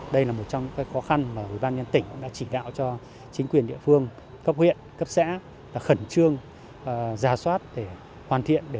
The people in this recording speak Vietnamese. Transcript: đây là một trong những khó khăn mà ubnd tỉnh đã chỉ đạo cho chính quyền địa phương cấp huyện cấp xã khẩn trương giả soát để hoàn thiện